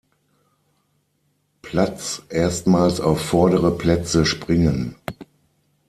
Platz erstmals auf vordere Plätze springen.